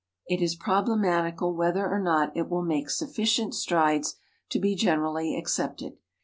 It is problematical whether or not it will make sufficient strides to be generally accepted.